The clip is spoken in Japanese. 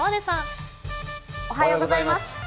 おはようございます。